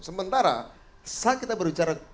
sementara saat kita berbicara